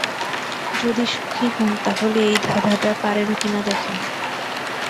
যদি সুখী হন তাহলে এই ধাঁধাটা পারেন কি না দেখেন।